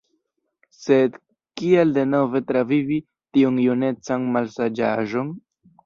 Sed kial denove travivi tiun junecan malsaĝaĵon?